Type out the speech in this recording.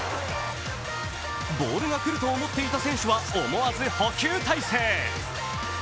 ボールが来ると思っていた選手は思わず捕球体勢。